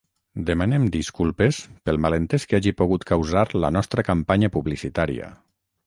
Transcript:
Demanem disculpes pel malentès que hagi pogut causar la nostra nova campanya publicitària.